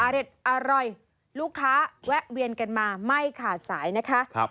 เด็ดอร่อยลูกค้าแวะเวียนกันมาไม่ขาดสายนะคะ